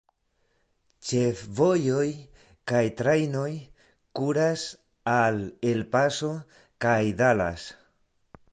Ĉefvojoj kaj trajnoj kuras al El Paso kaj Dallas.